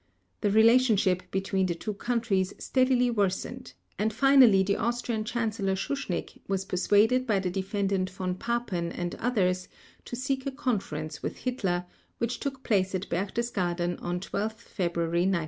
The relationship between the two countries steadily worsened, and finally the Austrian Chancellor Schuschnigg was persuaded by the Defendant Von Papen and others to seek a conference with Hitler, which took place at Berchtesgaden on 12 February 1938.